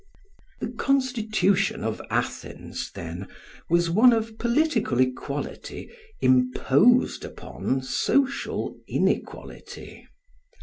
The constitution of Athens, then, was one of political equality imposed upon social inequality.